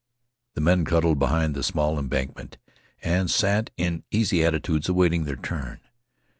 The men cuddled behind the small embankment and sat in easy attitudes awaiting their turn.